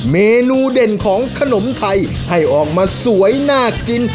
เมนูเด่นของขนมไทยให้ออกมาสวยน่ากิน